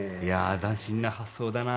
斬新な発想だな。